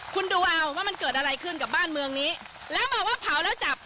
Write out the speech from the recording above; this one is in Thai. คุณดูเอาว่ามันเกิดอะไรขึ้นกับบ้านเมืองนี้แล้วมาว่าเผาแล้วจับ